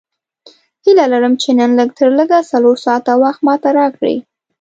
هیله لرم چې نن لږ تر لږه څلور ساعته وخت ماته راکړې.